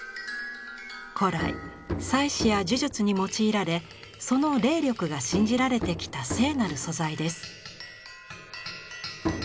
古来祭祀や呪術に用いられその霊力が信じられてきた聖なる素材です。